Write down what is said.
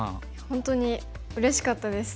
本当にうれしかったです。